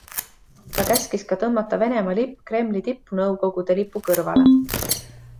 Ta käskis ka tõmmata Venemaa lipp Kremli tippu Nõukogude lipu kõrvale.